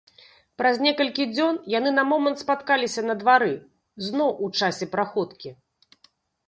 Праз некалькі дзён яны на момант спаткаліся на двары, зноў у часе праходкі.